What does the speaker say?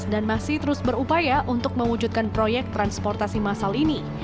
dan masih terus berupaya untuk mewujudkan proyek transportasi masal ini